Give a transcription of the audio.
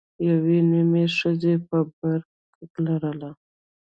يوې نيمې ښځې به برقه لرله.